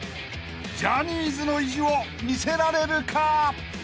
［ジャニーズの意地を見せられるか？］